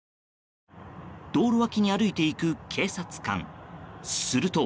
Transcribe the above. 道路脇に歩いていく警察官すると。